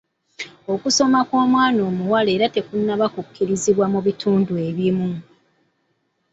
Okusoma kw'omwana omuwala era tekunnaba kukkirizibwa mu bitundu ebimu.